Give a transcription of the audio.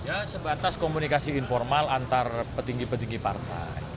ya sebatas komunikasi informal antar petinggi petinggi partai